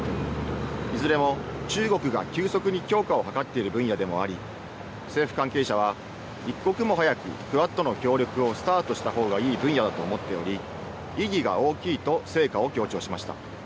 いずれも中国が急速に強化を図っている分野でもあり政府関係者は一刻も早くクアッドの協力をスタートしたほうがいい分野だと思っており意義が大きいと成果を強調しました。